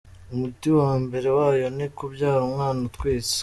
Umuti wa mbere wayo ni ukubyara umwana utwiswe.